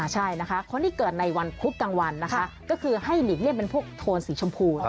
ใช่นะคะคนที่เกิดในวันพุธกลางวันนะคะก็คือให้หลีกเลี่ยงเป็นพวกโทนสีชมพู